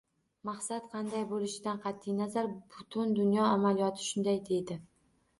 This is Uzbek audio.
Maqsad qanday bo'lishidan qat'i nazar, butun dunyo amaliyoti shunday deydi